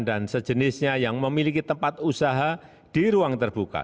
dan sejenisnya yang memiliki tempat usaha di ruang terbuka